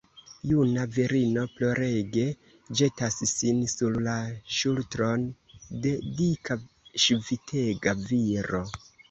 Juna virino plorege ĵetas sin sur la ŝultron de dika, ŝvitega viro.